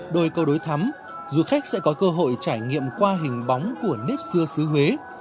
đôi câu đối thắm du khách sẽ có cơ hội trải nghiệm qua hình bóng của nếp xưa xứ huế